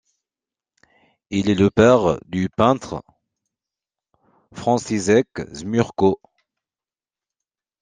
Il est le père du peintre Franciszek Żmurko.